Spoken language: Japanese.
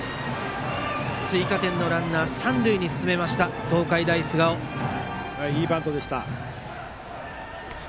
追加点のランナーを三塁に進めましたいいバントでした。